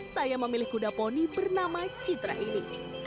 saya memilih kuda poni bernama citra ini